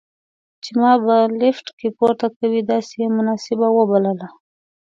چې ما به په لفټ کې پورته کوي، داسې یې مناسب وبلله.